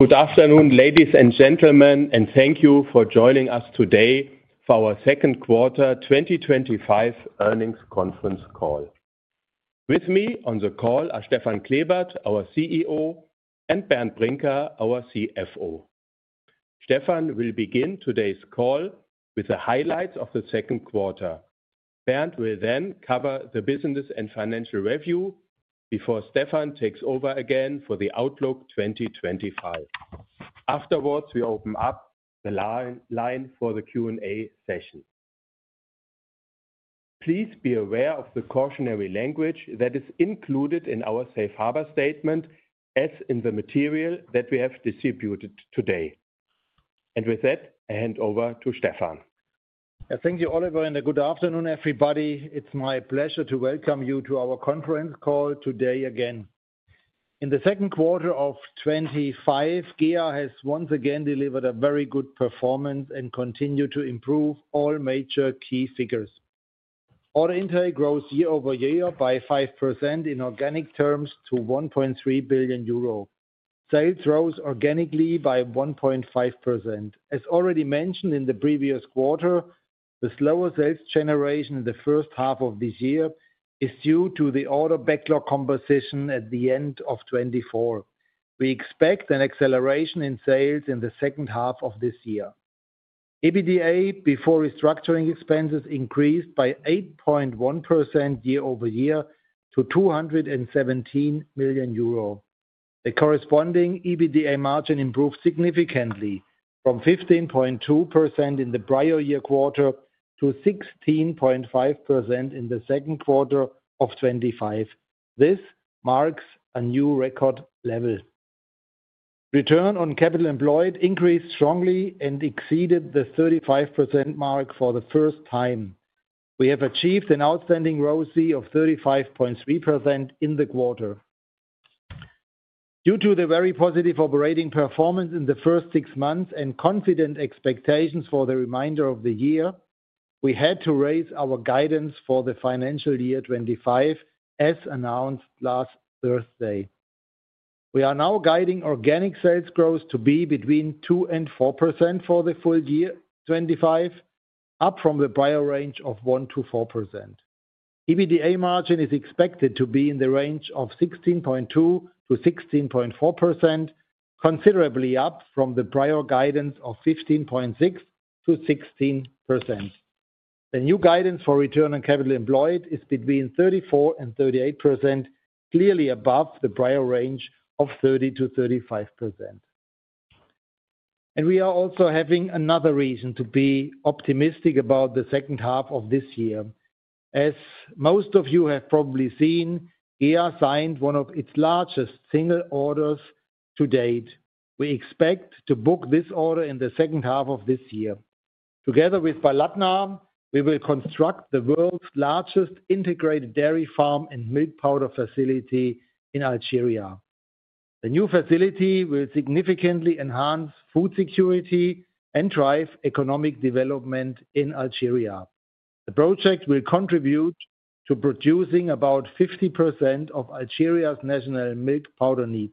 Good afternoon, ladies and gentlemen, and thank you for joining us today for our second quarter 2025 earnings conference call. With me on the call are Stefan Klebert, our CEO, and Bernd Brinker, our CFO. Stefan will begin today's call with the highlights of the second quarter. Bernd will then cover the business and financial review before Stefan takes over again for the Outlook 2025. Afterwards, we open up the line for the Q&A session. Please be aware of the cautionary language that is included in our safe harbor statement as in the material that we have distributed today. With that, I hand over to Stefan. Thank you, Oliver, and good afternoon, everybody. It's my pleasure to welcome you to our conference call today again. In the second quarter 2025, GEA has once again delivered a very good performance and continues to improve all major key figures. Order intake grows year-over-year by 5% in organic terms to 1.3 billion euro. Sales rose organically by 1.5%. As already mentioned in the previous quarter, the slower sales generation in the first half of this year is due to the order backlog composition at the end of 2024. We expect an acceleration in sales in the second half of this year. EBITDA, before restructuring expenses, increased by 8.1% year-over-year to 217 million euro. The corresponding EBITDA margin improved significantly from 15.2% in the prior year quarter to 16.5% in the second quarter of 2025. This marks a new record level. Return on capital employed increased strongly and exceeded the 35% mark for the first time. We have achieved an outstanding ROCE of 35.3% in the quarter. Due to the very positive operating performance in the first 6 months and confident expectations for the remainder of the year, we had to raise our guidance for the financial year 2025, as announced last Thursday. We are now guiding organic sales growth to be between 2% and 4% for the full year 2025, up from the prior range of 1%-4%. EBITDA margin is expected to be in the range of 16.2%-16.4%, considerably up from the prior guidance of 15.6%-16%. The new guidance for return on capital employed is between 34% and 38%, clearly above the prior range of 30%-35%. We are also having another reason to be optimistic about the second half of this year. As most of you have seen, GEA signed one of its largest single orders to date. We expect to book this order in the second half of this year. Together with Baladna, we will construct the world's largest integrated dairy farm and milk powder facility in Algeria. The new facility will significantly enhance food security and drive economic development in Algeria. The project will contribute to producing about 50% of Algeria's national milk powder needs.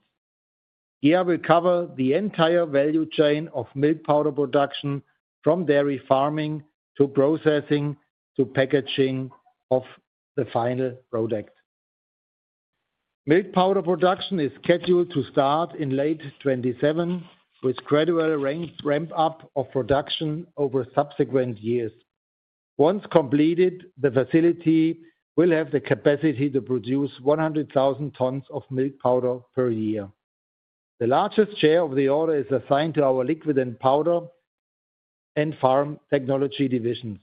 GEA will cover the entire value chain of milk powder production, from dairy farming to processing to packaging of the final product. Milk powder production is scheduled to start in late 2027, with gradual ramp-up of production over subsequent years. Once completed, the facility will have the capacity to produce 100,000 tons of milk powder per year. The largest share of the order is assigned to our Liquid & Powder Technologies and Farm Technology divisions.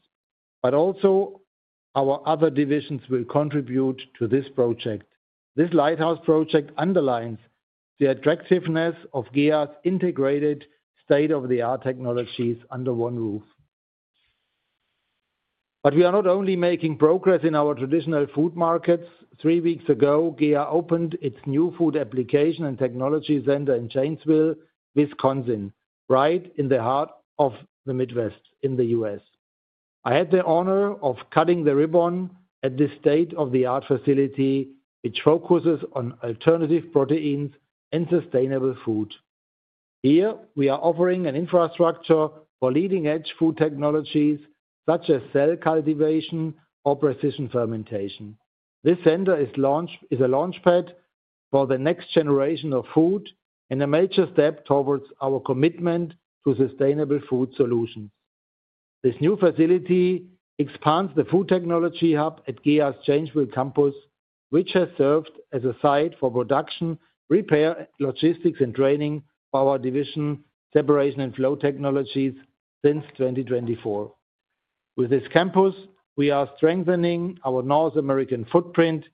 Our other divisions will also contribute to this project. This lighthouse project underlines the attractiveness of GEA's integrated state-of-the-art technologies under one roof. We are not only making progress in our traditional food markets. Three weeks ago, GEA opened its new Food Application and Technology Center in Janesville, Wisconsin, right in the heart of the Midwest in the U.S. I had the honor of cutting the ribbon at this state-of-the-art facility, which focuses on alternative proteins and sustainable food. Here, we are offering an infrastructure for leading-edge food technologies, such as cell cultivation or precision fermentation. This center is a launchpad for the next generation of food and a major step towards our commitment to sustainable food solutions. This new facility expands the food technology hub at GEA's Janesville campus, which has served as a site for production, repair, logistics, and training of our Separation & Flow Technologies division since 2024. With this campus, we are strengthening our North American footprint,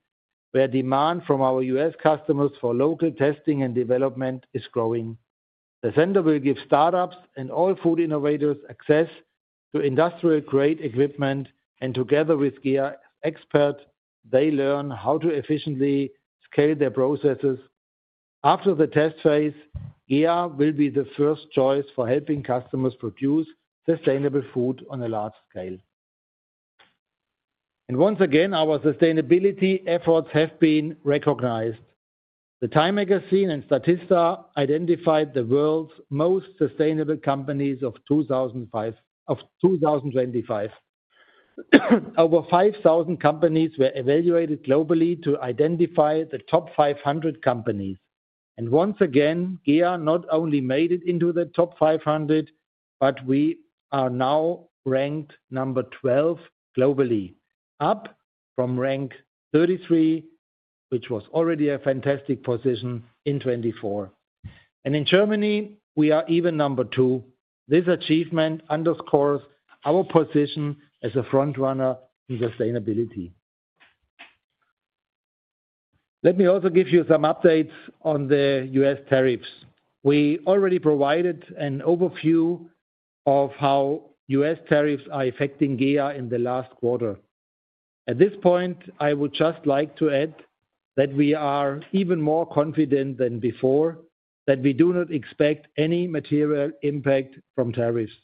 where demand from our U.S. customers for local testing and development is growing. The center will give startups and all food innovators access to industrial-grade equipment, and together with GEA experts, they learn how to efficiently scale their processes. After the test phase, GEA will be the first choice for helping customers produce sustainable food on a large scale. Our sustainability efforts have been recognized. The Time magazine and Statista identified the world's most sustainable companies of 2025. Over 5,000 companies were evaluated globally to identify the top 500 companies. GEA not only made it into the top 500, but we are now ranked number 12 globally, up from rank 33, which was already a fantastic position in 2024. In Germany, we are even number two. This achievement underscores our position as a frontrunner in sustainability. Let me also give you some updates on the U.S. tariffs. We already provided an overview of how U.S. tariffs are affecting GEA in the last quarter. At this point, I would just like to add that we are even more confident than before that we do not expect any material impact from tariffs.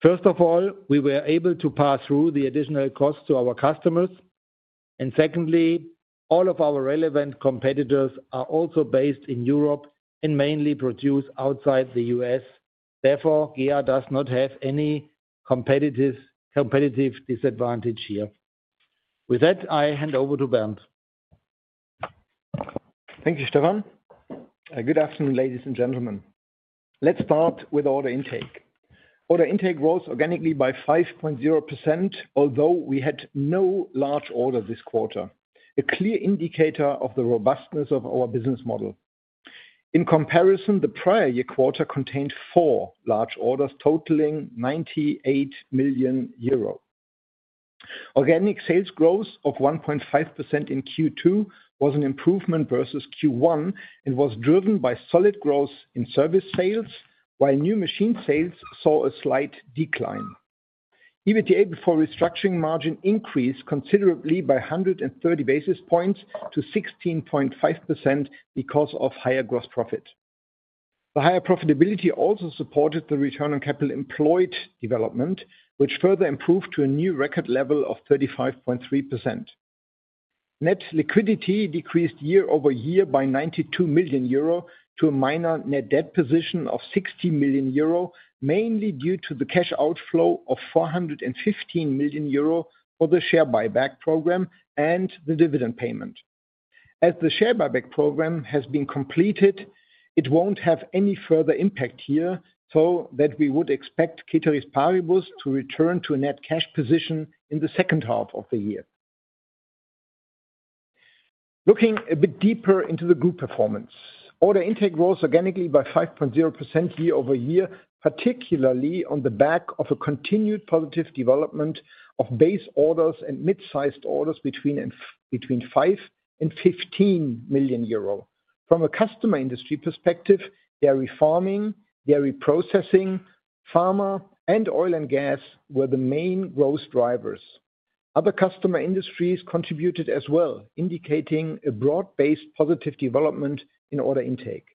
First of all, we were able to pass through the additional costs to our customers. Secondly, all of our relevant competitors are also based in Europe and mainly produce outside the U.S. Therefore, GEA does not have any competitive disadvantage here. With that, I hand over to Bernd. Thank you, Stefan. Good afternoon, ladies and gentlemen. Let's start with order intake. Order intake rose organically by 5.0%, although we had no large order this quarter, a clear indicator of the robustness of our business model. In comparison, the prior year quarter contained four large orders totaling 98 million euro. Organic sales growth of 1.5% in Q2 was an improvement versus Q1 and was driven by solid growth in service sales, while new machine sales saw a slight decline. EBITDA before restructuring margin increased considerably by 130 basis points to 16.5% because of higher gross profit. The higher profitability also supported the return on capital employed development, which further improved to a new record level of 35.3%. Net liquidity decreased year-over-year by 92 million euro to a minor net debt position of 60 million euro, mainly due to the cash outflow of 415 million euro for the share buyback program and the dividend payment. As the share buyback program has been completed, it won't have any further impact here, so that we would expect ceteris paribus to return to a net cash position in the second half of the year. Looking a bit deeper into the group performance, order intake rose organically by 5.0% year-over-year, particularly on the back of a continued positive development of base orders and mid-sized orders between 5 million and 15 million euro. From a customer industry perspective, dairy farming, dairy processing, pharma, and oil and gas were the main growth drivers. Other customer industries contributed as well, indicating a broad-based positive development in order intake.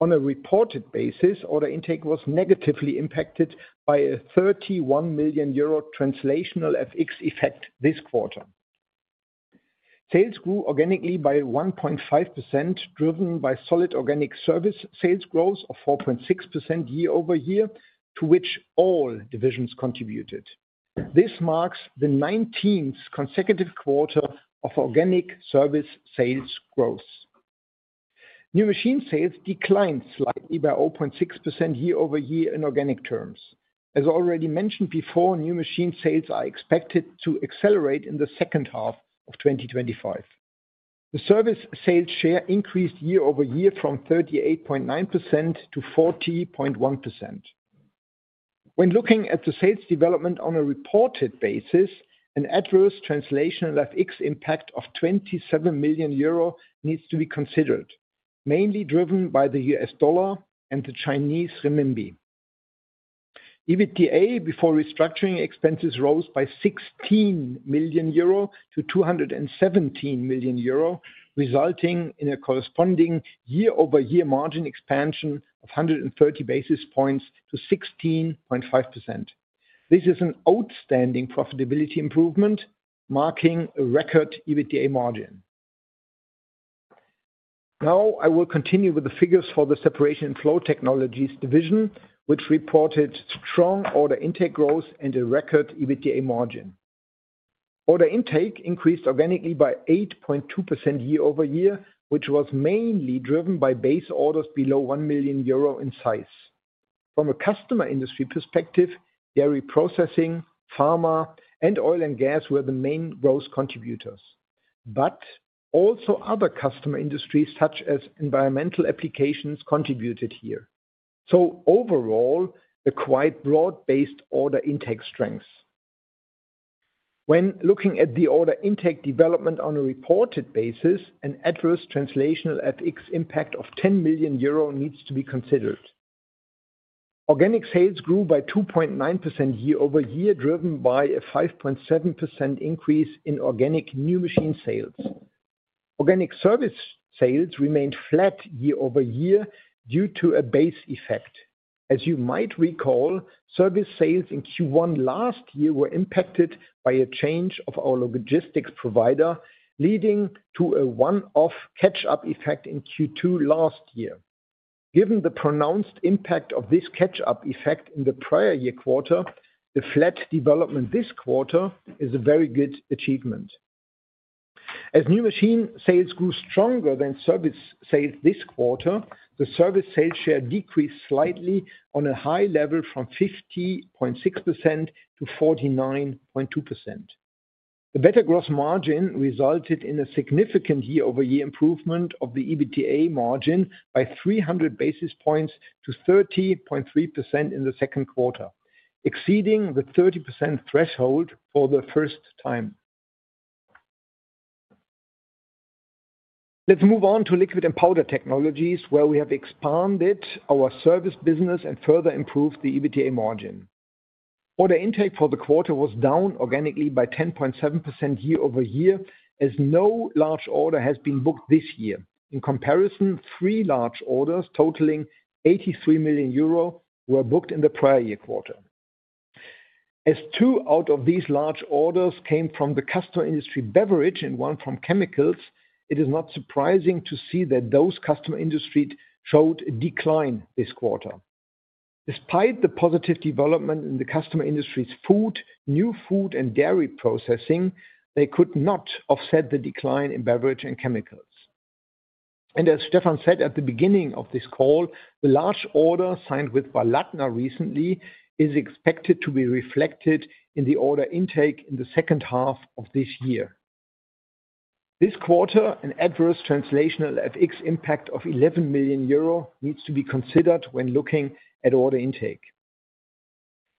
On a reported basis, order intake was negatively impacted by a 31 million euro translational FX effect this quarter. Sales grew organically by 1.5%, driven by solid organic service sales growth of 4.6% year-over-year, to which all divisions contributed. This marks the 19th consecutive quarter of organic service sales growth. New machine sales declined slightly by 0.6% year-over-year in organic terms. As already mentioned before, new machine sales are expected to accelerate in the second half of 2025. The service sales share increased year-over-year from 38.9%-40.1%. When looking at the sales development on a reported basis, an adverse translational FX impact of 27 million euro needs to be considered, mainly driven by the U.S. dollar and the Chinese renminbi. EBITDA before restructuring expenses rose by 16 million-217 million euro, resulting in a corresponding year-over-year margin expansion of 130 basis points to 16.5%. This is an outstanding profitability improvement, marking a record EBITDA margin. Now, I will continue with the figures for the Separation & Flow Technologies division, which reported strong order intake growth and a record EBITDA margin. Order intake increased organically by 8.2% year-over-year, which was mainly driven by base orders below 1 million euro in size. From a customer industry perspective, Dairy Processing, Pharma, and Oil and Gas were the main growth contributors. Other customer industries, such as environmental applications, contributed here as well. Overall, a quite broad-based order intake strength. When looking at the order intake development on a reported basis, an adverse translational FX impact of 10 million euro needs to be considered. Organic sales grew by 2.9% year-over-year, driven by a 5.7% increase in organic new machine sales. Organic service sales remained flat year-over-year due to a base effect. As you might recall, service sales in Q1 last year were impacted by a change of our logistics provider, leading to a one-off catch-up effect in Q2 last year. Given the pronounced impact of this catch-up effect in the prior year quarter, the flat development this quarter is a very good achievement. As new machine sales grew stronger than service sales this quarter, the service sales share decreased slightly on a high level from 50.6%-49.2%. A better gross margin resulted in a significant year-over-year improvement of the EBITDA margin by 300 basis points to 30.3% in the second quarter, exceeding the 30% threshold for the first time. Let's move on to Liquid & Powder Technologies, where we have expanded our service business and further improved the EBITDA margin. Order intake for the quarter was down organically by 10.7% year-over-year, as no large order has been booked this year. In comparison, three large orders totaling 83 million euro were booked in the prior year quarter. As two out of these large orders came from the customer industry beverage and one from chemicals, it is not surprising to see that those customer industries showed a decline this quarter. Despite the positive development in the customer industries food, new food, and dairy processing, they could not offset the decline in beverage and chemicals. As Stefan said at the beginning of this call, the large order signed with Baladna recently is expected to be reflected in the order intake in the second half of this year. This quarter, an adverse translational FX impact of 11 million euro needs to be considered when looking at order intake.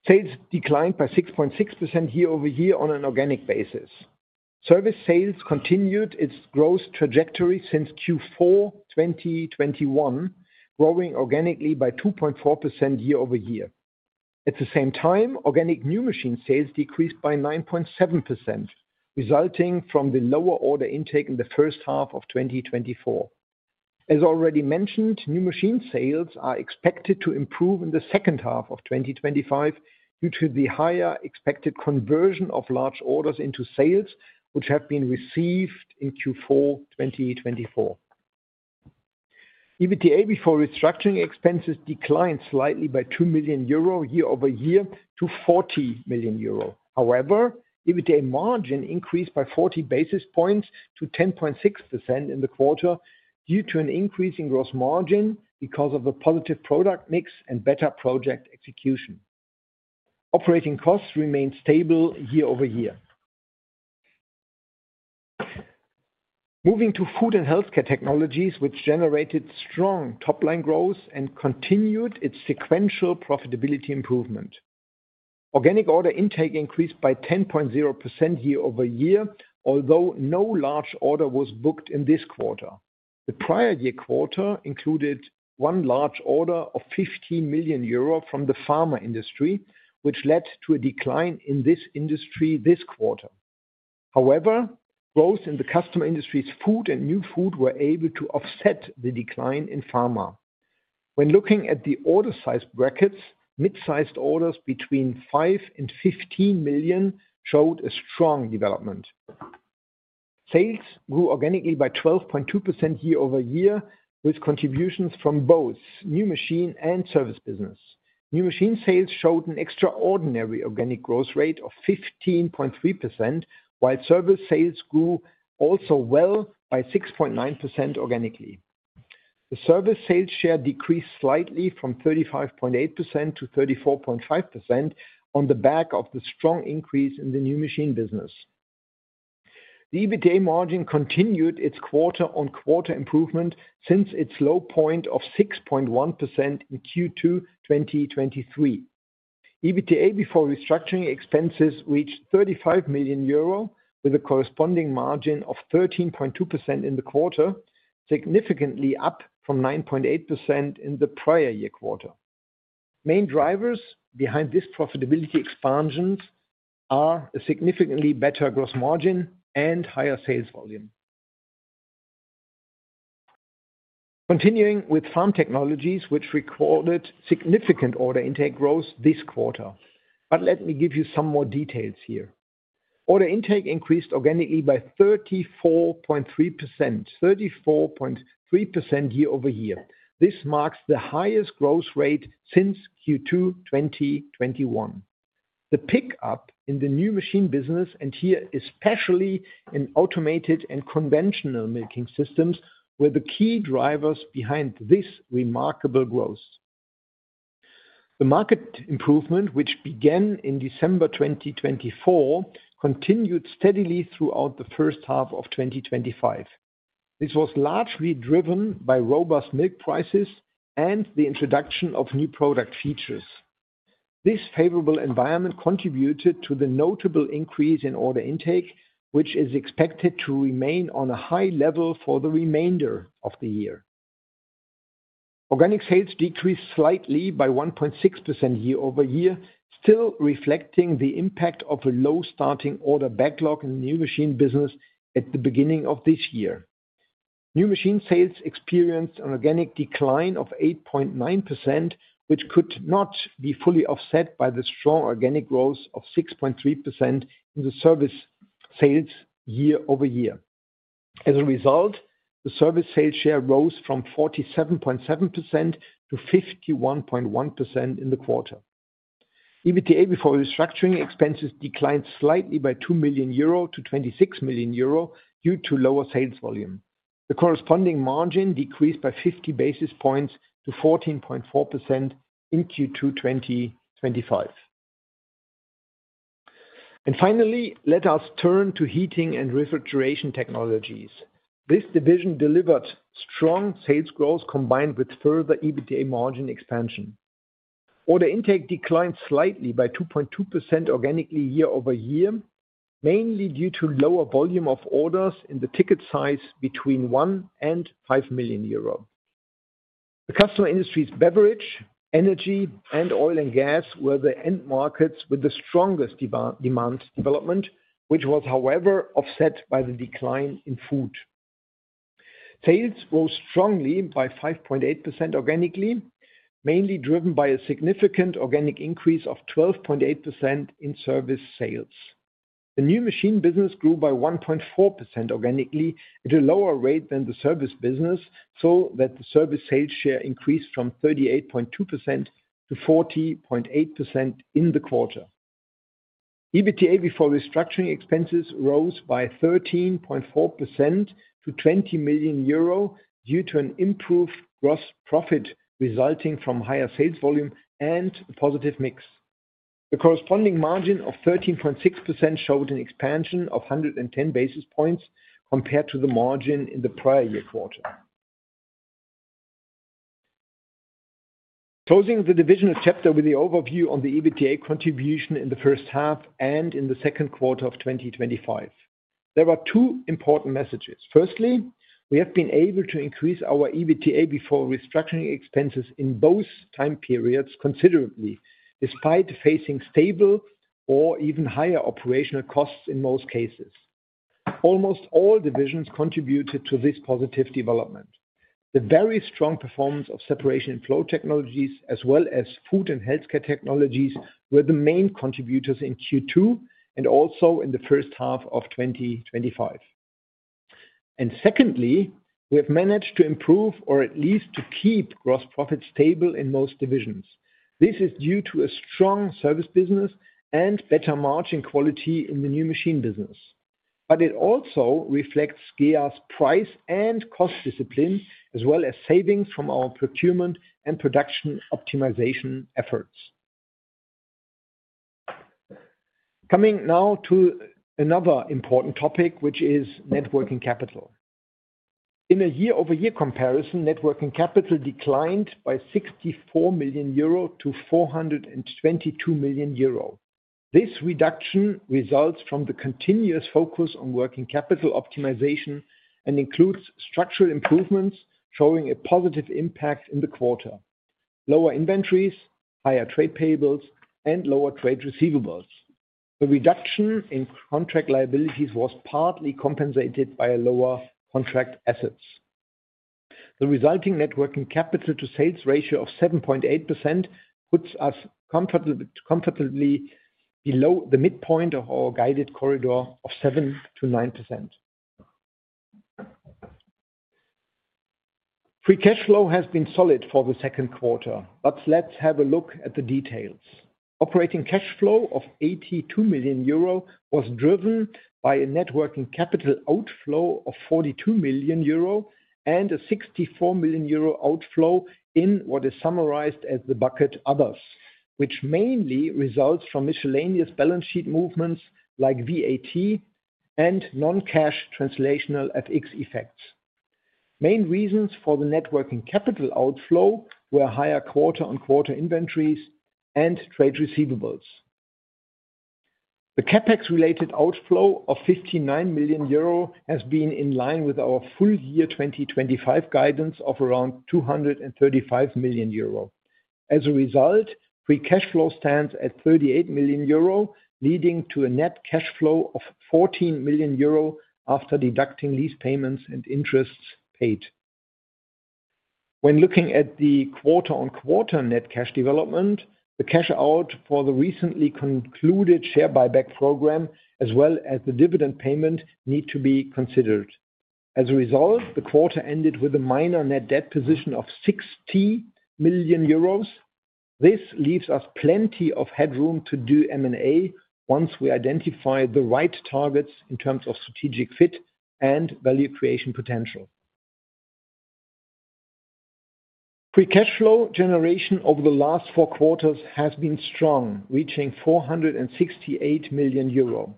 Sales declined by 6.6% year-over-year on an organic basis. Service sales continued its growth trajectory since Q4 2021, growing organically by 2.4% year-over-year. At the same time, organic new machine sales decreased by 9.7%, resulting from the lower order intake in the first half of 2024. As already mentioned, new machine sales are expected to improve in the second half of 2025 due to the higher expected conversion of large orders into sales, which have been received in Q4 2024. EBITDA before restructuring expenses declined slightly by 2 million euro year-over-year to 40 million euro. However, EBITDA margin increased by 40 basis points to 10.6% in the quarter due to an increase in gross margin because of the positive product mix and better project execution. Operating costs remained stable year-over-year. Moving to Food & Healthcare Technologies, which generated strong top-line growth and continued its sequential profitability improvement. Organic order intake increased by 10.0% year-over-year, although no large order was booked in this quarter. The prior year quarter included one large order of 15 million euro from the Pharma industry, which led to a decline in this industry this quarter. However, growth in the customer industries food and new food were able to offset the decline in pharma. When looking at the order size brackets, mid-sized orders between 5 million and 15 million showed a strong development. Sales grew organically by 12.2% year-over-year, with contributions from both new machine and service business. New machine sales showed an extraordinary organic growth rate of 15.3%, while service sales grew also well by 6.9% organically. The service sales share decreased slightly from 35.8%-34.5% on the back of the strong increase in the new machine business. The EBITDA margin continued its quarter-on-quarter improvement since its low point of 6.1% in Q2 2023. EBITDA before restructuring expenses reached 35 million euro, with a corresponding margin of 13.2% in the quarter, significantly up from 9.8% in the prior year quarter. Main drivers behind this profitability expansion are a significantly better gross margin and higher sales volume. Continuing with Farm Technologies, which recorded significant order intake growth this quarter. Let me give you some more details here. Order intake increased organically by 34.3% year-over-year. This marks the highest growth rate since Q2 2021. The pickup in the new machine business, and here especially in automated and conventional milking systems, were the key drivers behind this remarkable growth. The market improvement, which began in December 2024, continued steadily throughout the first half of 2025. This was largely driven by robust milk prices and the introduction of new product features. This favorable environment contributed to the notable increase in order intake, which is expected to remain on a high level for the remainder of the year. Organic sales decreased slightly by 1.6% year-over-year, still reflecting the impact of a low starting order backlog in the new machine business at the beginning of this year. New machine sales experienced an organic decline of 8.9%, which could not be fully offset by the strong organic growth of 6.3% in the service sales year-over-year. As a result, the service sales share rose from 47.7%-51.1% in the quarter. EBITDA before restructuring expenses declined slightly by 2 million-26 million euro due to lower sales volume. The corresponding margin decreased by 50 basis points to 14.4% in Q2 2025. Finally, let us turn to Heating & Refrigeration Technologies. This division delivered strong sales growth combined with further EBITDA margin expansion. Order intake declined slightly by 2.2% organically year-over-year, mainly due to lower volume of orders in the ticket size between 1 million and 5 million euro. The customer industries beverage, energy, and oil and gas were the end markets with the strongest demand development, which was however offset by the decline in food. Sales rose strongly by 5.8% organically, mainly driven by a significant organic increase of 12.8% in service sales. The new machine business grew by 1.4% organically at a lower rate than the service business, so that the service sales share increased from 38.2%-40.8% in the quarter. EBITDA before restructuring expenses rose by 13.4% to 20 million euro due to an improved gross profit resulting from higher sales volume and a positive mix. The corresponding margin of 13.6% showed an expansion of 110 basis points compared to the margin in the prior year quarter. Closing the divisional chapter with the overview on the EBITDA contribution in the first half and in the second quarter of 2025, there are two important messages. Firstly, we have been able to increase our EBITDA before restructuring expenses in both time periods considerably, despite facing stable or even higher operational costs in most cases. Almost all divisions contributed to this positive development. The very strong performance of Separation & Flow Technologies, as well as Food & Healthcare Technologies, were the main contributors in Q2 and also in the first half of 2025. Secondly, we have managed to improve, or at least to keep, gross profits stable in most divisions. This is due to a strong service business and better margin quality in the new machine business. It also reflects GEA's price and cost discipline, as well as savings from our procurement and production optimization efforts. Coming now to another important topic, which is net working capital. In a year-over-year comparison, net working capital declined by 64 million-422 million euro. This reduction results from the continuous focus on working capital optimization and includes structural improvements showing a positive impact in the quarter: lower inventories, higher trade payables, and lower trade receivables. The reduction in contract liabilities was partly compensated by lower contract assets. The resulting net working capital-to-sales ratio of 7.8% puts us comfortably below the midpoint of our guided corridor of 7%-9%. Free cash flow has been solid for the second quarter, but let's have a look at the details. Operating cash flow of 82 million euro was driven by a net working capital outflow of 42 million euro and a 64 million euro outflow in what is summarized as the bucket others, which mainly results from miscellaneous balance sheet movements like VAT and non-cash translational FX effects. Main reasons for the net working capital outflow were higher quarter-on-quarter inventories and trade receivables. The CapEx-related outflow of 59 million euro has been in line with our full year 2025 guidance of around 235 million euro. As a result, free cash flow stands at 38 million euro, leading to a net cash flow of 14 million euro after deducting lease payments and interest paid. When looking at the quarter-on-quarter net cash development, the cash out for the recently concluded share buyback program, as well as the dividend payment, need to be considered. As a result, the quarter ended with a minor net debt position of 60 million euros. This leaves us plenty of headroom to do M&A once we identify the right targets in terms of strategic fit and value creation potential. Free cash flow generation over the last four quarters has been strong, reaching 468 million euro.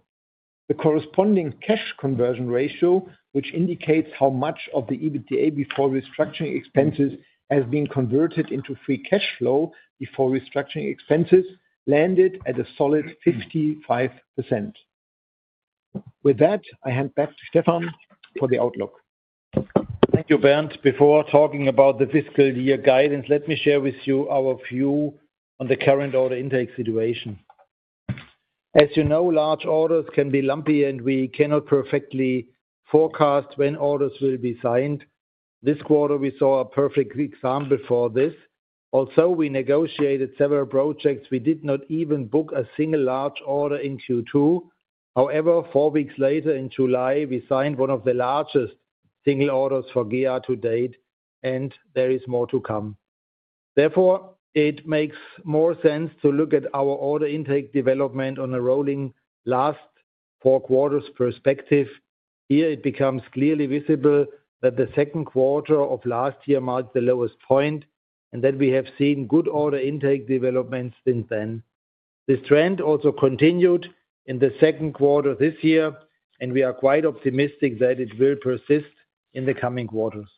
The corresponding cash conversion ratio, which indicates how much of the EBITDA before restructuring expenses has been converted into free cash flow before restructuring expenses, landed at a solid 55%. With that, I hand back to Stefan for the outlook. Thank you, Bernd. Before talking about the fiscal year guidance, let me share with you our view on the current order intake situation. As you know, large orders can be lumpy and we cannot perfectly forecast when orders will be signed. This quarter, we saw a perfect example for this. Although we negotiated several projects, we did not even book a single large order in Q2. However, 4 weeks later in July, we signed one of the largest single orders for GEA to date, and there is more to come. Therefore, it makes more sense to look at our order intake development on a rolling last four quarters perspective. Here, it becomes clearly visible that the second quarter of last year marked the lowest point and that we have seen good order intake developments since then. This trend also continued in the second quarter this year, and we are quite optimistic that it will persist in the coming quarters.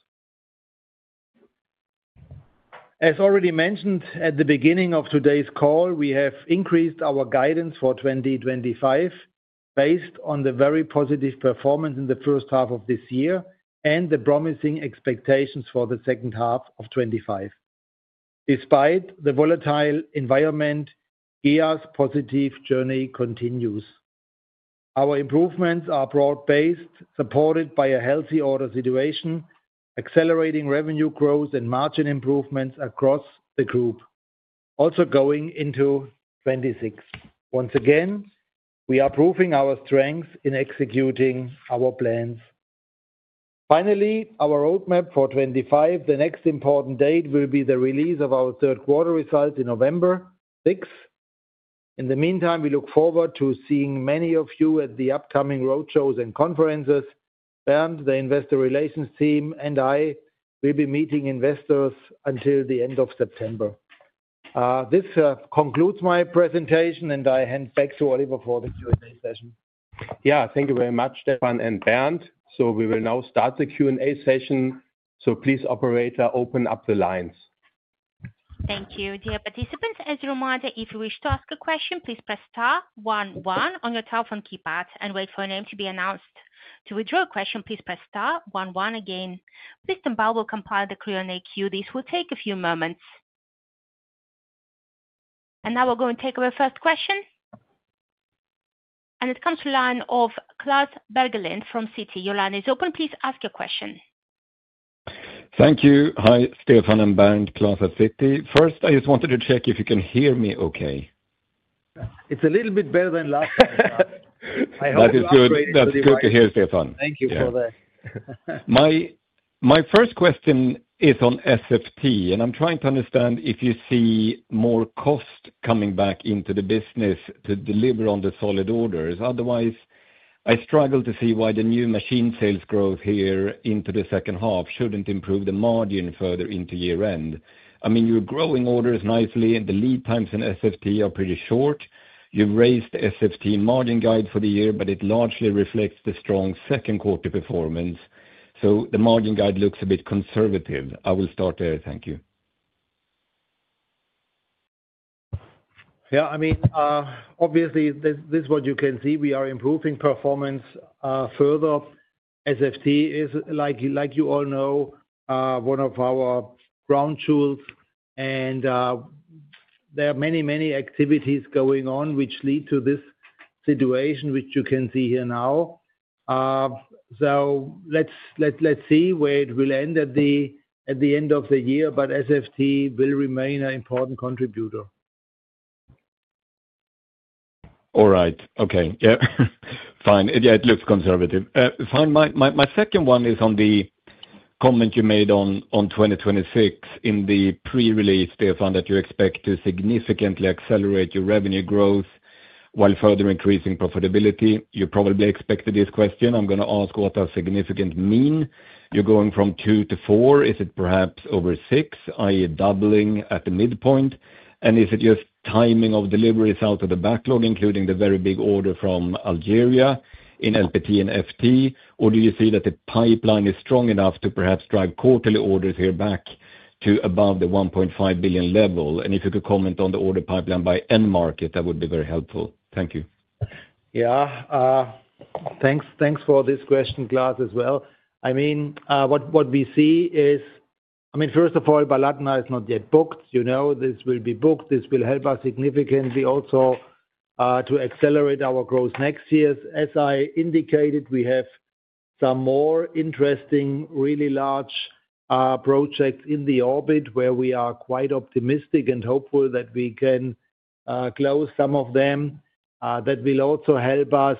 As already mentioned at the beginning of today's call, we have increased our guidance for 2025 based on the very positive performance in the first half of this year and the promising expectations for the second half of 2025. Despite the volatile environment, GEA's positive journey continues. Our improvements are broad-based, supported by a healthy order situation, accelerating revenue growth and margin improvements across the group. Also going into 2026, once again, we are proving our strengths in executing our plans. Finally, our roadmap for 2025, the next important date will be the release of our third quarter results on November 6. In the meantime, we look forward to seeing many of you at the upcoming roadshows and conferences. Bernd, the Investor Relations team, and I will be meeting investors until the end of September. This concludes my presentation, and I hand back to Oliver for the Q&A session. Thank you very much, Stefan and Bernd. We will now start the Q&A session. Please, operator, open up the lines. Thank you, dear participants. As a reminder, if you wish to ask a question, please press star one one on your telephone keypad and wait for a name to be announced. To withdraw a question, please press star one one again. System BAR will compile the Q&A queue. This will take a few moments. Now we're going to take our first question. It comes to the line of Klas Bergelind from Citi. Your line is open. Please ask your question. Thank you. Hi, Stefan and Bernd, Klas at Citi. First, I just wanted to check if you can hear me okay. It's a little bit better than last. That is good. That's good to hear, Stefan. Thank you for that. My first question is on SFT, and I'm trying to understand if you see more cost coming back into the business to deliver on the solid orders. Otherwise, I struggle to see why the new machine sales growth here into the second half shouldn't improve the margin further into year-end. I mean, you're growing orders nicely, and the lead times in SFT are pretty short. You've raised the SFT margin guide for the year, but it largely reflects the strong second quarter performance. The margin guide looks a bit conservative. I will start there. Thank you. Yeah, I mean, obviously, this is what you can see. We are improving performance further. SFT is, like you all know, one of our brown jewels, and there are many, many activities going on which lead to this situation, which you can see here now. Let's see where it will end at the end of the year, but SFT will remain an important contributor. All right. Okay. Yeah. Fine. Yeah, it looks conservative. Fine. My second one is on the comment you made on 2026 in the pre-release data that you expect to significantly accelerate your revenue growth while further increasing profitability. You probably expected this question. I'm going to ask what does significant mean. You're going from two to four. Is it perhaps over six, i.e., doubling at the midpoint? Is it just timing of deliveries out of the backlog, including the very big order from Algeria in LPT and FT? Do you see that the pipeline is strong enough to perhaps drive quarterly orders here back to above the 1.5 billion level? If you could comment on the order pipeline by end market, that would be very helpful. Thank you. Yeah. Thanks. Thanks for this question, Klas, as well. What we see is, first of all, Baladna is not yet booked. You know, this will be booked. This will help us significantly also to accelerate our growth next year. As I indicated, we have some more interesting, really large projects in the orbit where we are quite optimistic and hopeful that we can close some of them. That will also help us.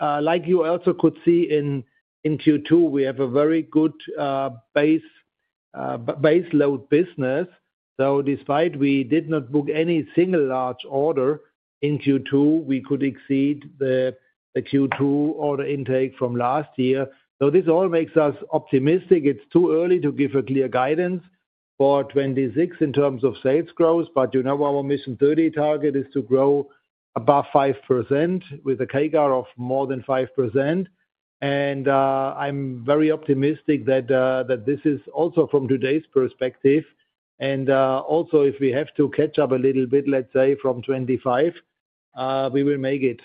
Like you also could see in Q2, we have a very good base load business. Despite we did not book any single large order in Q2, we could exceed the Q2 order intake from last year. This all makes us optimistic. It's too early to give a clear guidance for 2026 in terms of sales growth. You know, our Mission 30 target is to grow above 5% with a CAGR of more than 5%. I'm very optimistic that this is also from today's perspective. Also, if we have to catch up a little bit, let's say from 2025, we will make it.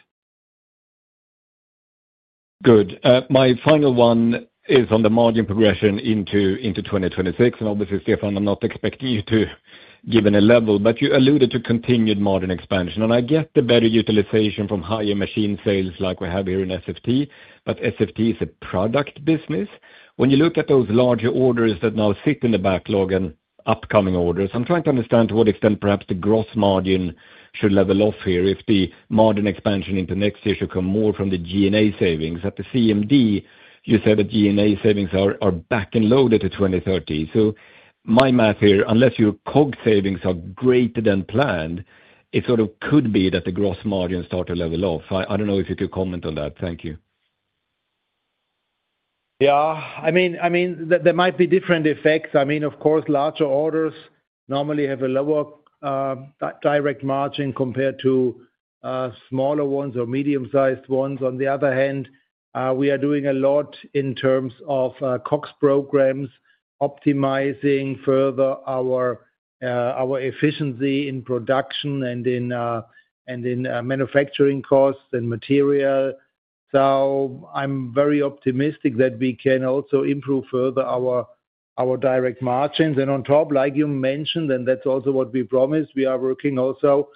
Good. My final one is on the margin progression into 2026. Obviously, Stefan, I'm not expecting you to give a level, but you alluded to continued margin expansion. I get the better utilization from higher machine sales like we have here in SFT, but SFT is a product business. When you look at those larger orders that now sit in the backlog and upcoming orders, I'm trying to understand to what extent perhaps the gross margin should level off here if the margin expansion into next year should come more from the G&A savings. At the CMD, you said that G&A savings are back and loaded to 2030. My math here, unless your COG savings are greater than planned, it sort of could be that the gross margin starts to level off. I don't know if you could comment on that. Thank you. There might be different effects. Of course, larger orders normally have a lower direct margin compared to smaller ones or medium-sized ones. On the other hand, we are doing a lot in terms of COGS programs, optimizing further our efficiency in production and in manufacturing costs and material. I'm very optimistic that we can also improve further our direct margins. On top, like you mentioned, and that's also what we promised, we are working also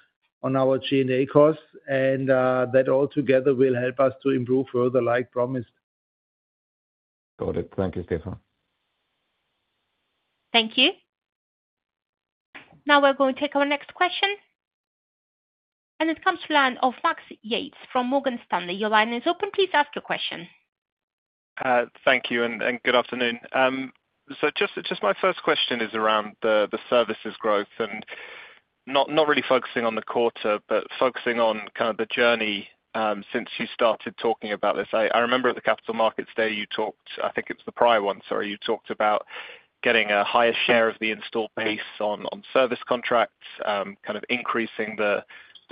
on our G&A costs, and that altogether will help us to improve further, like promised. Got it. Thank you, Stefan. Thank you. Now we're going to take our next question. It comes to the line of Max Yates from Morgan Stanley. Your line is open. Please ask your question. Thank you, and good afternoon. My first question is around the services growth and not really focusing on the quarter, but focusing on kind of the journey since you started talking about this. I remember at the Capital Markets Day, you talked, I think it's the prior one, sorry, you talked about getting a higher share of the install base on service contracts, kind of increasing the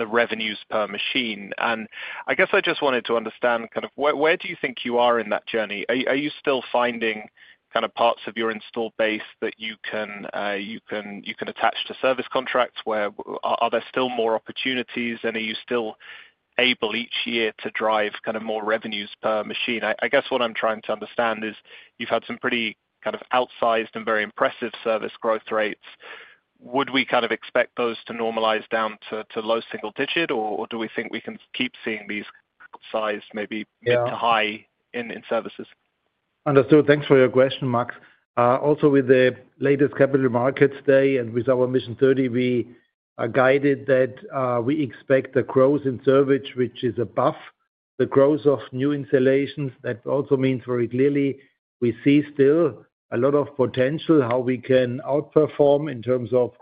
revenues per machine. I just wanted to understand kind of where do you think you are in that journey. Are you still finding kind of parts of your install base that you can attach to service contracts? Are there still more opportunities, and are you still able each year to drive kind of more revenues per machine? What I'm trying to understand is you've had some pretty kind of outsized and very impressive service growth rates. Would we expect those to normalize down to low single digit, or do we think we can keep seeing these sized, maybe mid to high in services? Understood. Thanks for your question, Max. Also, with the latest Capital Markets Day and with our Mission 30, we are guided that we expect the growth in service, which is above the growth of new installations. That also means very clearly we see still a lot of potential how we can outperform in terms of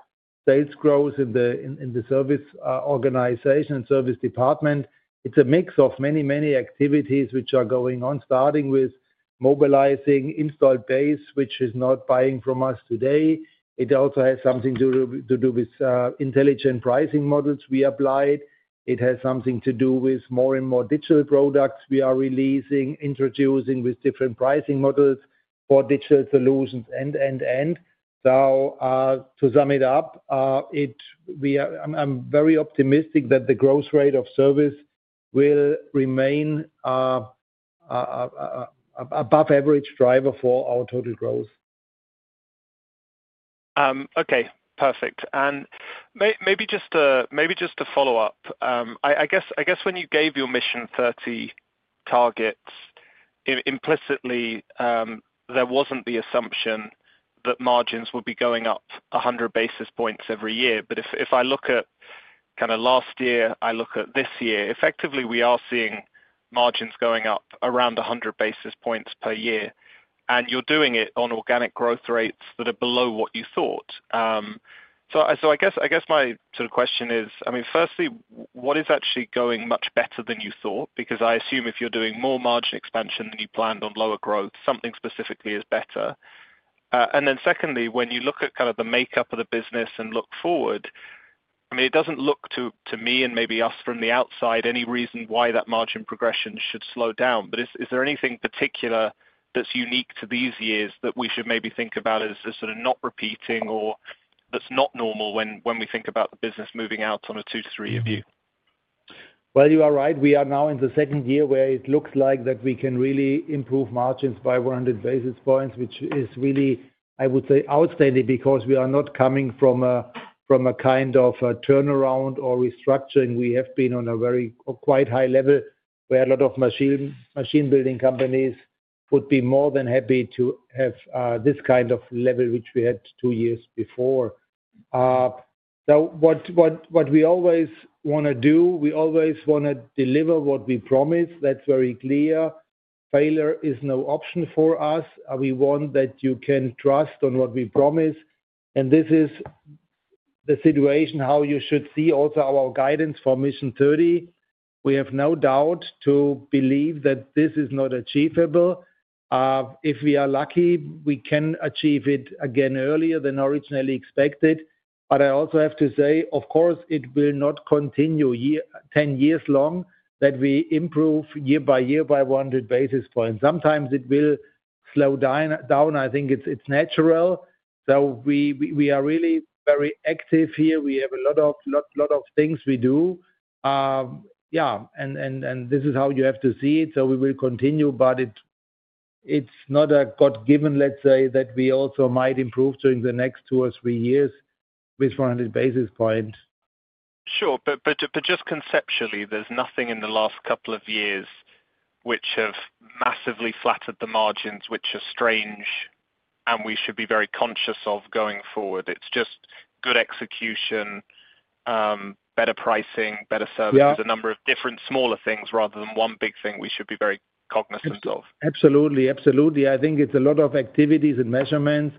sales growth in the service organization and service department. It's a mix of many, many activities which are going on, starting with mobilizing install base, which is not buying from us today. It also has something to do with intelligent pricing models we applied. It has something to do with more and more digital products we are releasing, introducing with different pricing models for digital solutions, and, and, and. To sum it up, I'm very optimistic that the growth rate of service will remain an above-average driver for our total growth. Okay. Perfect. Maybe just a follow-up. I guess when you gave your Mission 30 targets, implicitly, there wasn't the assumption that margins would be going up 100 basis points every year. If I look at last year and I look at this year, effectively, we are seeing margins going up around 100 basis points per year. You're doing it on organic growth rates that are below what you thought. I guess my sort of question is, firstly, what is actually going much better than you thought? I assume if you're doing more margin expansion than you planned on lower growth, something specifically is better. Secondly, when you look at the makeup of the business and look forward, it doesn't look to me, and maybe us from the outside, like there is any reason why that margin progression should slow down. Is there anything particular that's unique to these years that we should maybe think about as not repeating or that's not normal when we think about the business moving out on a 2-to-3-year view? You are right. We are now in the second year where it looks like we can really improve margins by 100 basis points, which is really, I would say, outstanding because we are not coming from a kind of turnaround or restructuring. We have been on a quite high level where a lot of machine-building companies would be more than happy to have this kind of level, which we had 2 years before. What we always want to do, we always want to deliver what we promise. That's very clear. Failure is no option for us. We want that you can trust on what we promise. This is the situation how you should see also our guidance for mission 30. We have no doubt to believe that this is not achievable. If we are lucky, we can achieve it again earlier than originally expected. I also have to say, of course, it will not continue 10 years long that we improve year-by-year by 100 basis points. Sometimes it will slow down. I think it's natural. We are really very active here. We have a lot of things we do. This is how you have to see it. We will continue, but it's not a God-given, let's say, that we also might improve during the next 2 or 3 years with 100 basis points. Sure. There is nothing in the last couple of years which has massively flattened the margins, which is strange, and we should be very conscious of going forward. It's just good execution, better pricing, better services, a number of different smaller things rather than one big thing we should be very cognizant of. Absolutely. Absolutely. I think it's a lot of activities and measurements,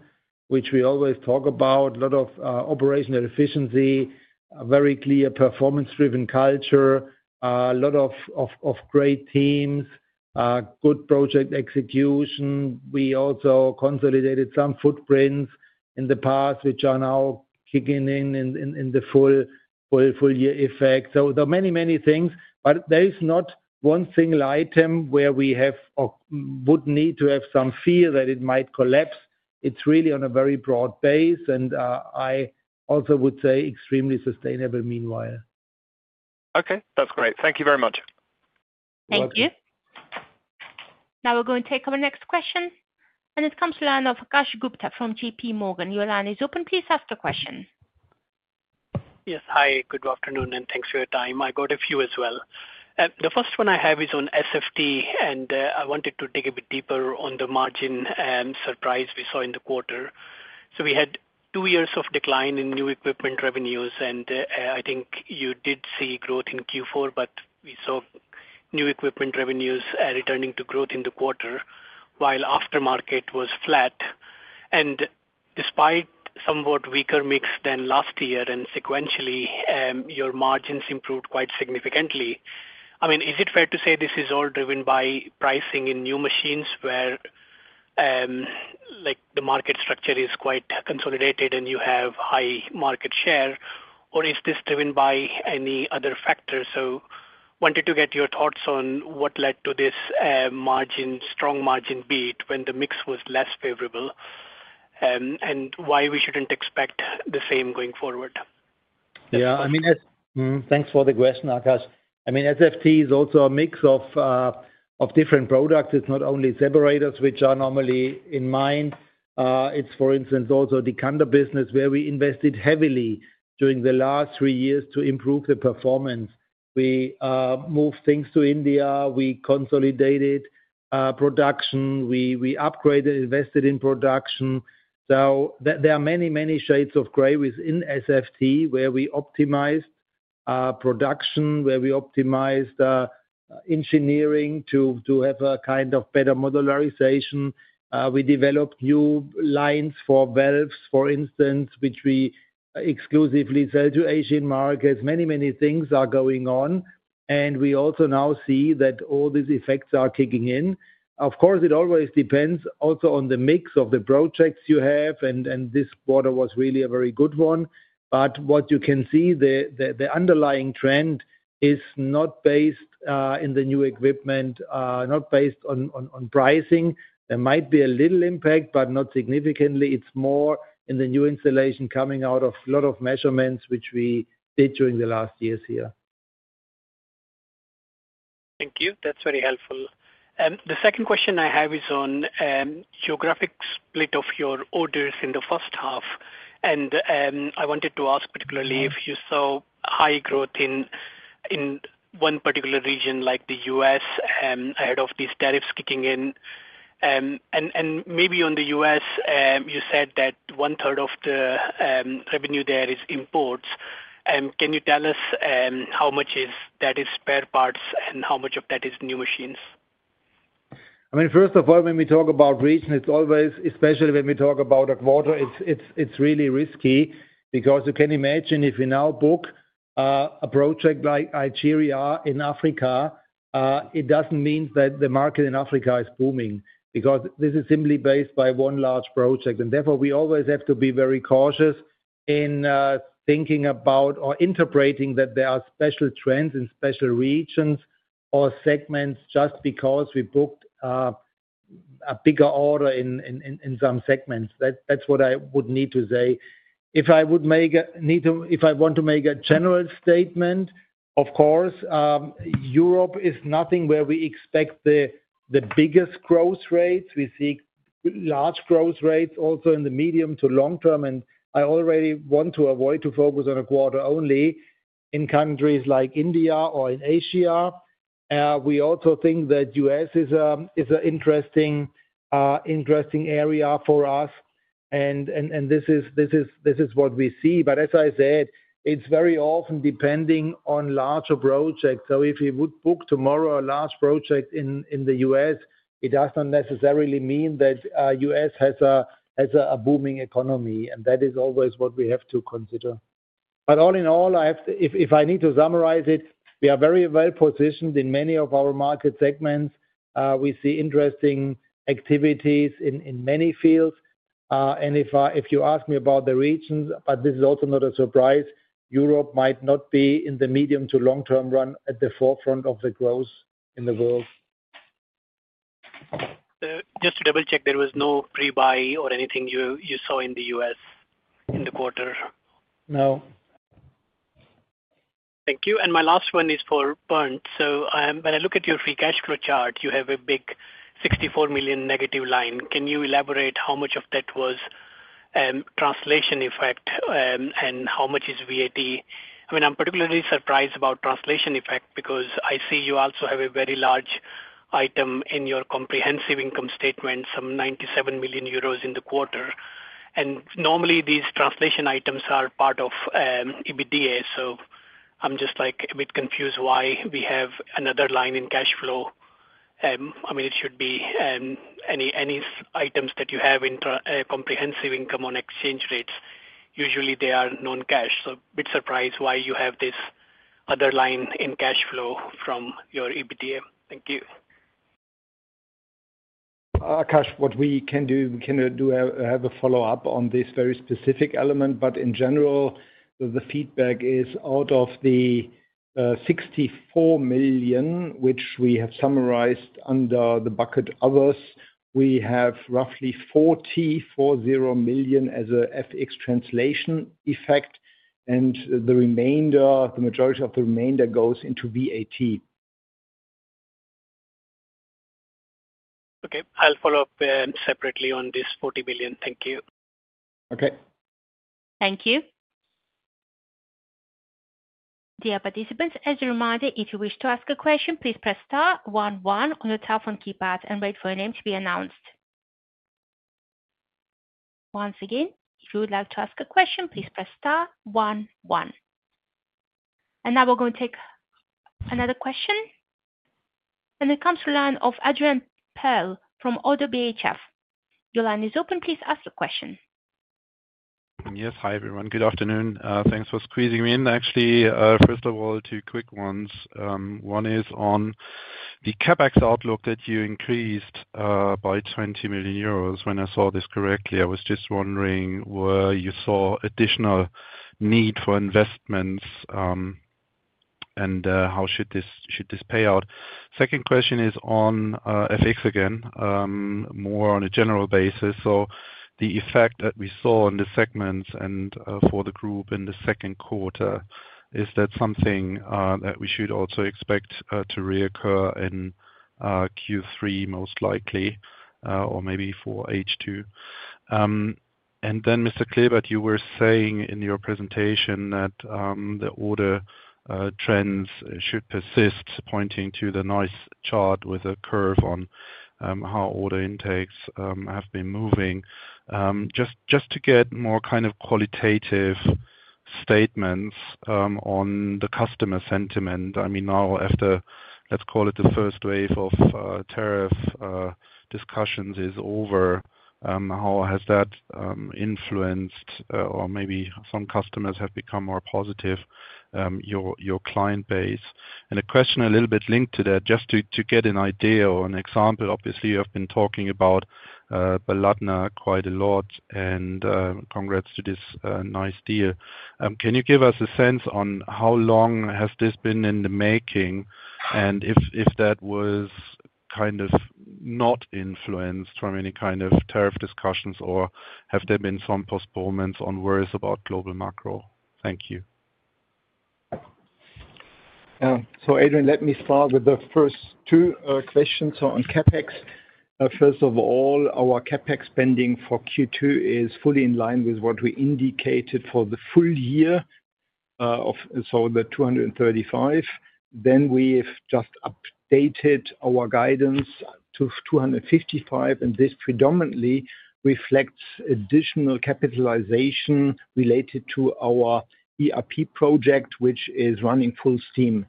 which we always talk about. A lot of operational efficiency, a very clear performance-driven culture, a lot of great teams, good project execution. We also consolidated some footprints in the past, which are now kicking in in the full-year effect. There are many, many things, but there is not one single item where we would need to have some fear that it might collapse. It's really on a very broad base, and I also would say extremely sustainable meanwhile. Okay, that's great. Thank you very much. Thank you. Now we're going to take our next question. It comes to the line of Akash Gupta from JPMorgan. Your line is open. Please ask the question. Yes. Hi. Good afternoon, and thanks for your time. I got a few as well. The first one I have is on SFT, and I wanted to dig a bit deeper on the margin surprise we saw in the quarter. We had 2 years of decline in new equipment revenues, and I think you did see growth in Q4, but we saw new equipment revenues returning to growth in the quarter while aftermarket was flat. Despite somewhat weaker mix than last year, and sequentially, your margins improved quite significantly. I mean, is it fair to say this is all driven by pricing in new machines where the market structure is quite consolidated and you have high market share? Is this driven by any other factors? I wanted to get your thoughts on what led to this strong margin beat when the mix was less favorable and why we shouldn't expect the same going forward. Yeah. I mean, thanks for the question, Akash. SFT is also a mix of different products. It's not only separators, which are normally in mind. It's, for instance, also the Kanda business where we invested heavily during the last 3 years to improve the performance. We moved things to India. We consolidated production. We upgraded, invested in production. There are many, many shades of gray within SFT where we optimized production, where we optimized engineering to have a kind of better modularization. We developed new lines for valves, for instance, which we exclusively sell to Asian markets. Many, many things are going on. We also now see that all these effects are kicking in. Of course, it always depends also on the mix of the projects you have, and this quarter was really a very good one. What you can see, the underlying trend is not based in the new equipment, not based on pricing. There might be a little impact, but not significantly. It's more in the new installation coming out of a lot of measurements which we did during the last years here. Thank you. That's very helpful. The second question I have is on the geographic split of your orders in the first half. I wanted to ask particularly if you saw high growth in one particular region like the U.S. ahead of these tariffs kicking in. On the U.S., you said that one-third of the revenue there is imports. Can you tell us how much of that is spare parts and how much of that is new machines? I mean, first of all, when we talk about region, it's always, especially when we talk about a quarter, it's really risky because you can imagine if we now book a project like Algeria in Africa, it doesn't mean that the market in Africa is booming because this is simply based by one large project. Therefore, we always have to be very cautious in thinking about or interpreting that there are special trends in special regions or segments just because we booked a bigger order in some segments. That's what I would need to say. If I would make a need to, if I want to make a general statement, of course, Europe is nothing where we expect the biggest growth rates. We see large growth rates also in the medium to long term. I already want to avoid to focus on a quarter only in countries like India or in Asia. We also think that the U.S. is an interesting area for us. This is what we see. As I said, it's very often depending on larger projects. If you would book tomorrow a large project in the U.S., it does not necessarily mean that the U.S. has a booming economy. That is always what we have to consider. All in all, if I need to summarize it, we are very well positioned in many of our market segments. We see interesting activities in many fields. If you ask me about the regions, but this is also not a surprise, Europe might not be in the medium to long-term run at the forefront of the growth in the world. Just to double-check, there was no pre-buy or anything you saw in the U.S. in the quarter. No. Thank you. My last one is for Bernd. When I look at your free cash flow chart, you have a big 64 million negative line. Can you elaborate how much of that was translation effect and how much is VAT? I'm particularly surprised about translation effect because I see you also have a very large item in your comprehensive income statement, some 97 million euros in the quarter. Normally, these translation items are part of EBITDA. I'm just a bit confused why we have another line in cash flow. It should be any items that you have in comprehensive income on exchange rates. Usually, they are non-cash. I'm a bit surprised why you have this other line in cash flow from your EBITDA. Thank you. Akash, what we can do, we can have a follow-up on this very specific element. In general, the feedback is out of the 64 million, which we have summarized under the bucket others, we have roughly 40 million as an FX translation effect. The majority of the remainder goes into VAT. Okay, I'll follow up separately on this 40 million. Thank you. Okay. Thank you. Dear participants, as a reminder, if you wish to ask a question, please press star one one on your telephone keypad and wait for a name to be announced. Once again, if you would like to ask a question, please press star one one. We are going to take another question. It comes to the line of Adrian Pehl from ODDO BHF. Your line is open. Please ask your question. Yes. Hi, everyone. Good afternoon. Thanks for squeezing me in. Actually, first of all, two quick ones. One is on the CapEx outlook that you increased by 20 million euros. When I saw this correctly, I was just wondering where you saw additional need for investments and how should this pay out. Second question is on FX again, more on a general basis. The effect that we saw in the segments and for the group in the second quarter, is that something that we should also expect to reoccur in Q3 most likely, or maybe for H2? Mr. Klebert, you were saying in your presentation that the order trends should persist, pointing to the nice chart with a curve on how order intakes have been moving. Just to get more kind of qualitative statements on the customer sentiment. I mean, now after, let's call it the first wave of tariff discussions is over, how has that influenced, or maybe some customers have become more positive, your client base? A question a little bit linked to that, just to get an idea or an example. Obviously, you have been talking about Baladna quite a lot, and congrats to this nice deal. Can you give us a sense on how long has this been in the making and if that was kind of not influenced from any kind of tariff discussions, or have there been some postponements on worries about global macro? Thank you. Adrian, let me start with the first two questions. On CapEx, our CapEx spending for Q2 is fully in line with what we indicated for the full year of 235 million. We've just updated our guidance to 255 million, and this predominantly reflects additional capitalization related to our ERP project, which is running full steam.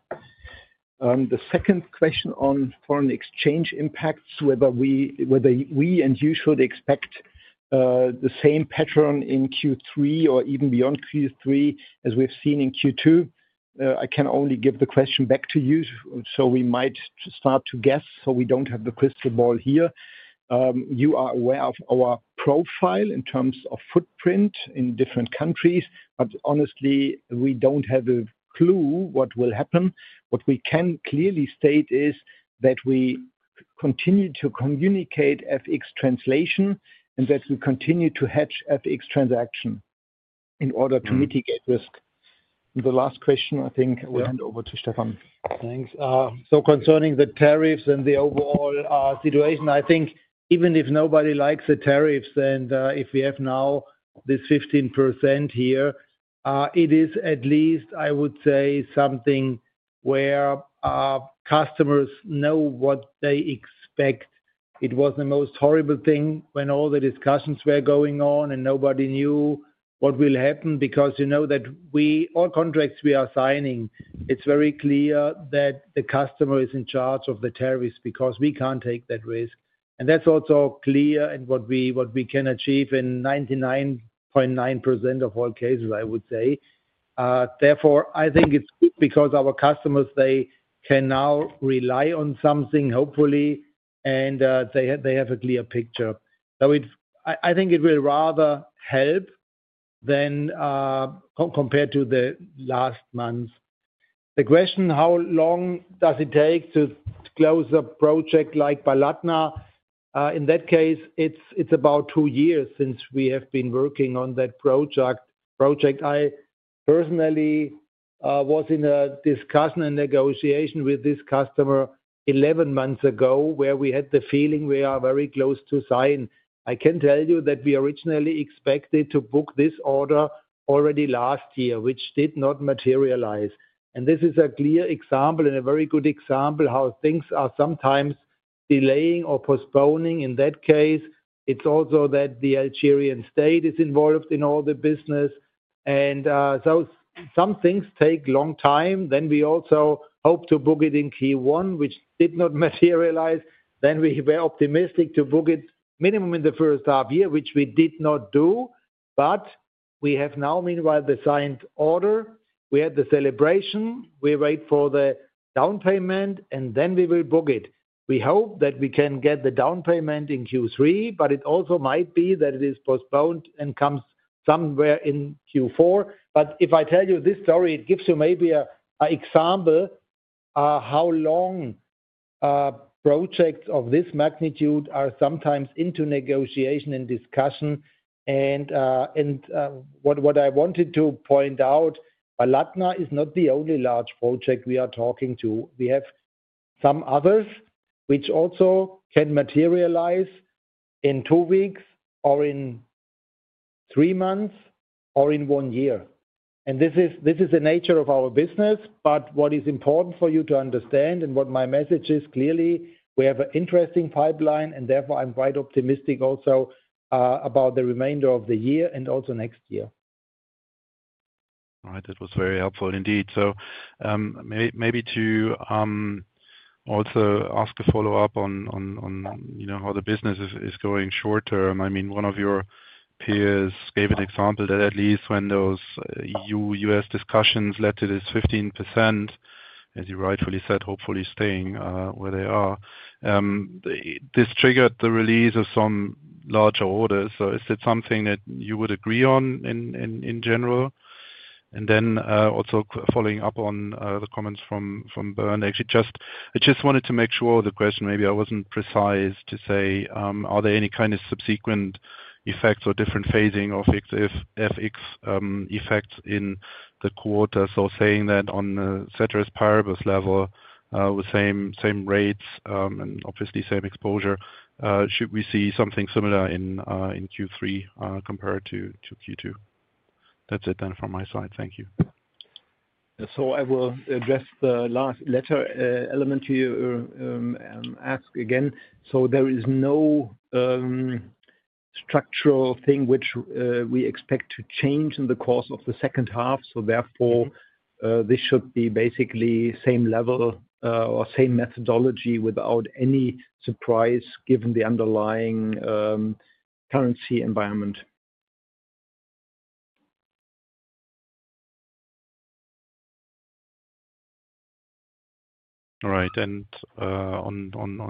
The second question on foreign exchange impacts, whether we and you should expect the same pattern in Q3 or even beyond Q3 as we've seen in Q2. I can only give the question back to you, so we might start to guess. We don't have the crystal ball here. You are aware of our profile in terms of footprint in different countries, but honestly, we don't have a clue what will happen. What we can clearly state is that we continue to communicate FX translation and that we continue to hedge FX transaction in order to mitigate risk. The last question, I think we'll hand over to Stefan. Thanks. Concerning the tariffs and the overall situation, I think even if nobody likes the tariffs, and if we have now this 15% here, it is at least, I would say, something where our customers know what they expect. It was the most horrible thing when all the discussions were going on and nobody knew what will happen because you know that all contracts we are signing, it's very clear that the customer is in charge of the tariffs because we can't take that risk. That's also clear in what we can achieve in 99.9% of all cases, I would say. Therefore, I think it's because our customers, they can now rely on something, hopefully, and they have a clear picture. I think it will rather help compared to the last month. The question, how long does it take to close a project like Baladna? In that case, it's about 2 years since we have been working on that project. I personally was in a discussion and negotiation with this customer 11 months ago where we had the feeling we are very close to sign. I can tell you that we originally expected to book this order already last year, which did not materialize. This is a clear example and a very good example how things are sometimes delaying or postponing. In that case, it's also that the Algerian state is involved in all the business, and some things take a long time. We also hoped to book it in Q1, which did not materialize. We were optimistic to book it minimum in the first half year, which we did not do. We have now, meanwhile, the signed order. We had the celebration. We wait for the down payment, and then we will book it. We hope that we can get the down payment in Q3, but it also might be that it is postponed and comes somewhere in Q4. If I tell you this story, it gives you maybe an example of how long projects of this magnitude are sometimes into negotiation and discussion. What I wanted to point out, Baladna is not the only large project we are talking to. We have some others which also can materialize in 2 weeks or in 3 months or in 1 year. This is the nature of our business. What is important for you to understand and what my message is clearly, we have an interesting pipeline, and therefore, I'm quite optimistic also about the remainder of the year and also next year. All right. That was very helpful indeed. Maybe to also ask a follow-up on how the business is going short term. I mean, one of your peers gave an example that at least when those EU-U.S. discussions led to this 15%, as you rightfully said, hopefully staying where they are, this triggered the release of some larger orders. Is it something that you would agree on in general? Also, following up on the comments from Bernd, actually, I just wanted to make sure the question, maybe I wasn't precise to say, are there any kind of subsequent effects or different phasing of FX effects in the quarter? Saying that on the Ceteris Paribus level with same rates and obviously same exposure, should we see something similar in Q3 compared to Q2? That's it then from my side. Thank you. I will address the last letter element to you and ask again. There is no structural thing which we expect to change in the course of the second half. Therefore, this should be basically the same level or same methodology without any surprise given the underlying currency environment. All right. On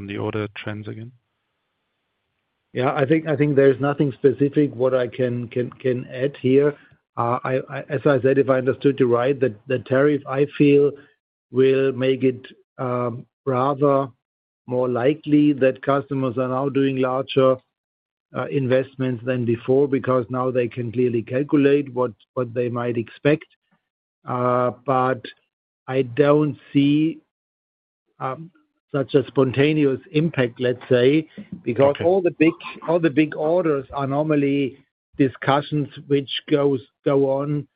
the order trends again? Yeah. I think there's nothing specific I can add here. As I said, if I understood you right, the tariff I feel will make it rather more likely that customers are now doing larger investments than before because now they can clearly calculate what they might expect. I don't see such a spontaneous impact, let's say, because all the big orders are normally discussions which go on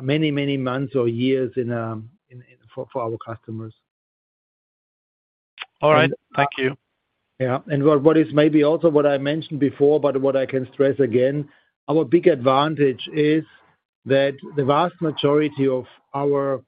many, many months or years for our customers. All right. Thank you. What I can stress again, our big advantage is that the vast majority of our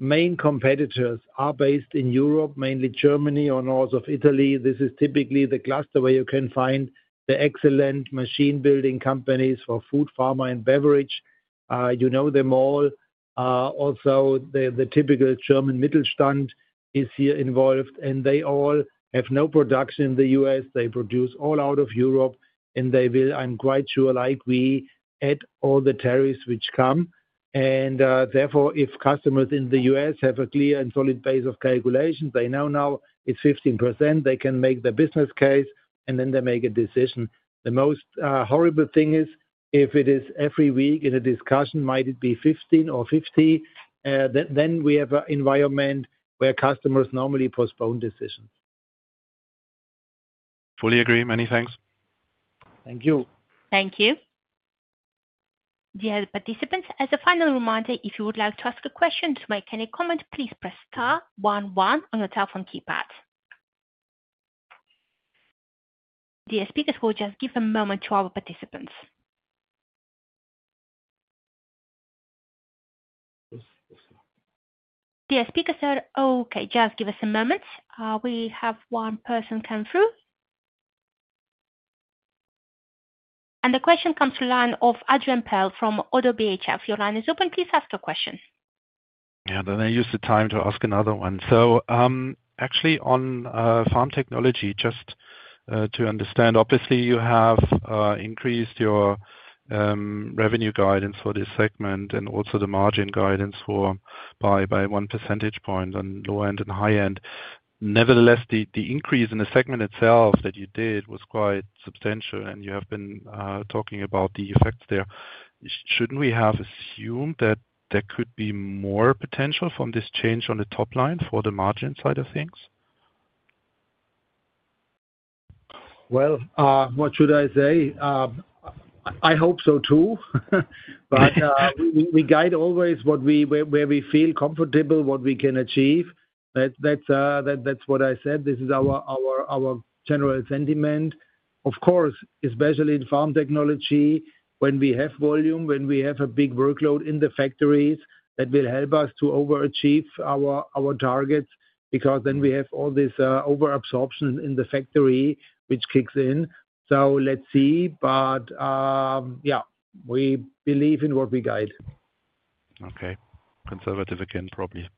main competitors are based in Europe, mainly Germany or north of Italy. This is typically the cluster where you can find the excellent machine-building companies for food, pharma, and beverage. You know them all. Also, the typical German Mittelstand is here involved, and they all have no production in the U.S. They produce all out of Europe, and they will, I'm quite sure, like we, add all the tariffs which come. Therefore, if customers in the U.S. have a clear and solid base of calculations, they know now it's 15%, they can make the business case, and then they make a decision. The most horrible thing is if it is every week in a discussion, might it be 15% or 50%? We have an environment where customers normally postpone decisions. Fully agree. Many thanks. Thank you. Thank you. Dear participants, as a final reminder, if you would like to ask a question or make any comment, please press star one one on your telephone keypad. Dear speakers, we'll just give a moment to our participants. Dear speakers, okay, just give us a moment. We have one person come through. The question comes to the line of Adrian Pehl from ODDO BHF. Your line is open. Please ask your question. Let me use the time to ask another one. On Farm Technology, just to understand, obviously, you have increased your revenue guidance for this segment and also the margin guidance by 1% on low end and high end. Nevertheless, the increase in the segment itself that you did was quite substantial, and you have been talking about the effects there. Shouldn't we have assumed that there could be more potential from this change on the top line for the margin side of things? I hope so too. We guide always where we feel comfortable, what we can achieve. That's what I said. This is our general sentiment. Of course, especially in Farm Technology, when we have volume, when we have a big workload in the factories, that will help us to overachieve our targets because then we have all this overabsorption in the factory, which kicks in. Let's see. We believe in what we guide. Okay. Conservative again, probably.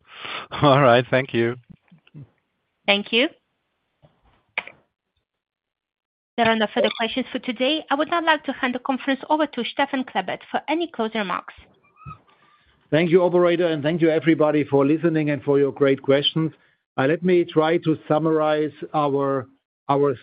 All right, thank you. Thank you. There are no further questions for today. I would now like to hand the conference over to Stefan Klebert for any closing remarks. Thank you, operator, and thank you, everybody, for listening and for your great questions. Let me try to summarize our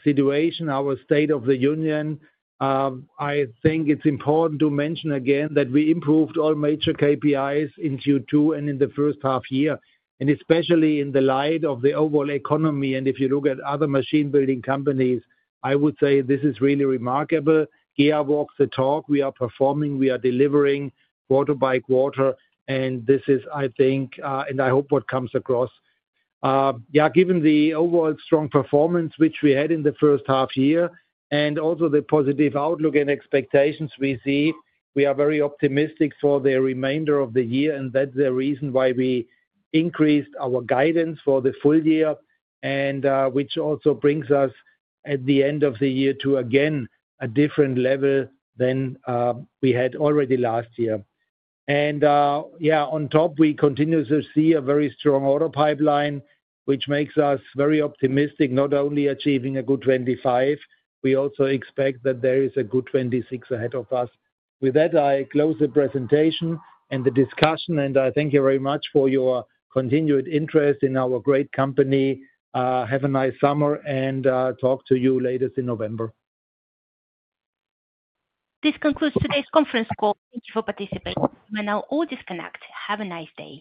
situation, our state of the union. I think it's important to mention again that we improved all major KPIs in Q2 and in the first half year, especially in the light of the overall economy. If you look at other machine-building companies, I would say this is really remarkable. GEA walks the talk. We are performing. We are delivering quarter-by-quarter. This is, I think, and I hope what comes across. Given the overall strong performance, which we had in the first half year, and also the positive outlook and expectations we see, we are very optimistic for the remainder of the year. That's the reason why we increased our guidance for the full year, which also brings us at the end of the year to, again, a different level than we had already last year. On top, we continue to see a very strong order pipeline, which makes us very optimistic, not only achieving a good 2025. We also expect that there is a good 2026 ahead of us. With that, I close the presentation and the discussion. I thank you very much for your continued interest in our great company. Have a nice summer and talk to you later in November. This concludes today's conference call. Thank you for participating. We will now all disconnect. Have a nice day.